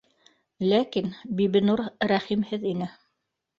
Ләкин Бибинур рәхимһеҙ ине